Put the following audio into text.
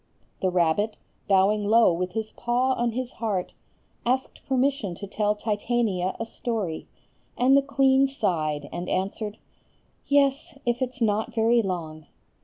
The rabbit, bowing low with his paw on his heart, asked permission to tell Titania a story, and the queen sighed, and answered,— "Yes, if it's not very long."